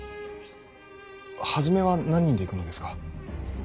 初めは何人で行くのですか。